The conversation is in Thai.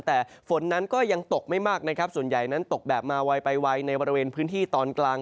แต่ฝนนั้นก็ยังตกไม่มากนะครับส่วนใหญ่นั้นตกแบบมาไวไปไวในบริเวณพื้นที่ตอนกลาง